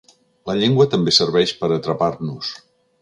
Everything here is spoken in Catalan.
La llengua també serveix per a atrapar-nos.